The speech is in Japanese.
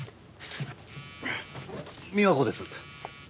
美和子です。